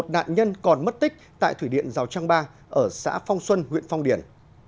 một mươi một nạn nhân còn mất tích tại thủy điện giao trang ba ở xã phong xuân huyện phong điển